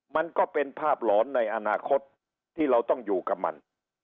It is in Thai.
มันก็เป็นภาพหลอนในอนาคตที่เราต้องอยู่กับมัน